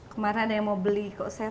kemarin ada yang mau beli kok saya